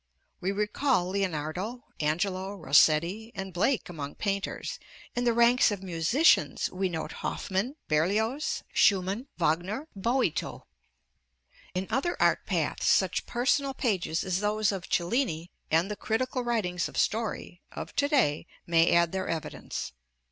We recall Leonardo, Angelo, Rossetti, and Blake among painters; in the ranks of musicians we note Hoffmann, Berlioz, Schumann, Wagner, Boito. In other art paths, such personal pages as those of Cellini, and the critical writings of Story, of to day, may add their evidence.